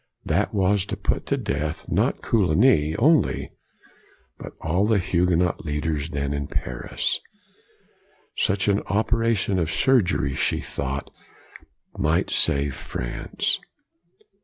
That was to put to death not Coligny only, but all the Huguenot leaders then in Paris. Such an operation of surgery, she thought, might save France.